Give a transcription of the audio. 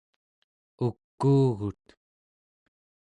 ukuugut